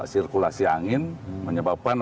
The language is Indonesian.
sirkulasi angin menyebabkan